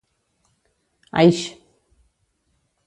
Aix